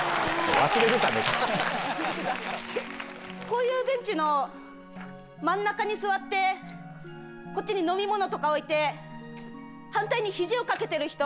こういうベンチの真ん中に座ってこっちに飲み物とか置いて反対に肘を掛けてる人。